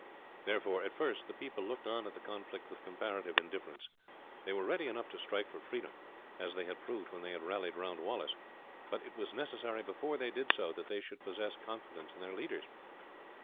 Therefore, at first the people looked on at the conflict with comparative indifference. They were ready enough to strike for freedom, as they had proved when they had rallied round Wallace, but it was necessary before they did so that they should possess confidence in their leaders.